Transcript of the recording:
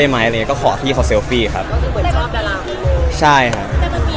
แต่มันมีที่ว่าเป็นคล่องฟิล์ม